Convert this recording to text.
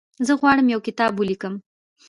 زه غواړم یو کتاب ولیکم.